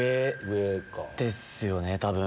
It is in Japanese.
上ですよね多分。